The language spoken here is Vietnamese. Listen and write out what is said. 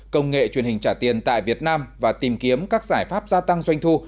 công nghệ truyền hình trả tiền tại việt nam và tìm kiếm các giải pháp gia tăng doanh thu